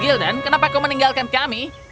gildan kenapa kau meninggalkan kami